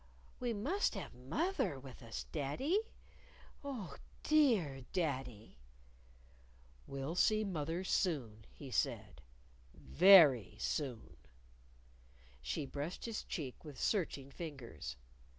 "We must have moth er with us, daddy. Oh, dear daddy!" "We'll see mother soon," he said; " very soon." She brushed his cheek with searching fingers.